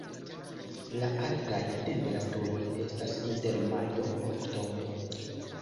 La altaj temperaturoj estas inter majo-oktobro.